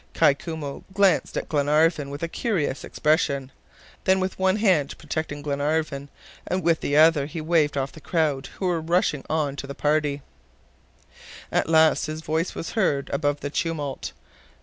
Kai Koumou glanced at Glenarvan with a curious expression: then with one hand protecting Glenarvan, with the other he waved off the crowd who were rushing on the party. At last his voice was heard above the tumult.